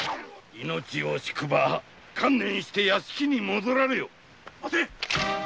命惜しくば観念して屋敷に戻られよ。